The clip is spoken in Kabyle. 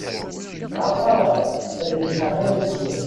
Ṭṭafareɣ arriCaɛban Azwaw.